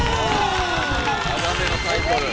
長めのタイトル。